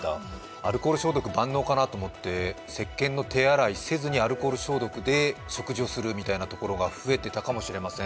アルコール消毒万能かなと思ってせっけんの手洗いをせずにアルコール消毒で食事をするようなところが増えていたかもしれません。